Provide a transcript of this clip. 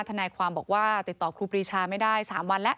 ทนายความบอกว่าติดต่อครูปรีชาไม่ได้๓วันแล้ว